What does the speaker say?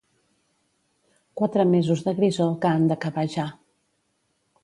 Quatre mesos de grisor que han d'acabar ja.